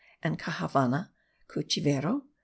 and Caxavana (Cuchivero?)